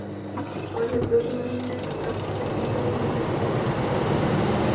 পরে দুলালের কাছ থেকে দুই হাজার টাকা জরিমানা আদায় করেন আদালত।